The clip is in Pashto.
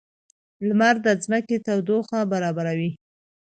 • لمر د ځمکې تودوخه برابروي.